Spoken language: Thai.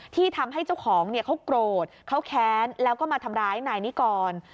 ที่ทำให้เจ้าของเขาโกรธเขาแค้นแล้วก็มาทำร้ายนายนิกร